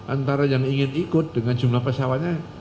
antara yang ingin ikut dengan jumlah pesawatnya